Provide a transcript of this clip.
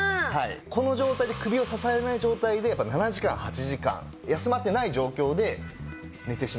この状態で首を支えない状態でやっぱ７時間８時間休まってない状況で寝てしまっているんです。